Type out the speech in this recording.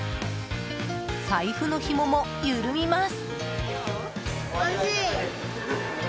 財布のひもも緩みます。